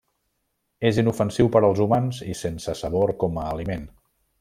És inofensiu per als humans i sense sabor com a aliment.